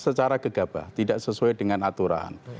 secara gegabah tidak sesuai dengan aturan